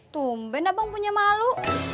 tumben abang punya malu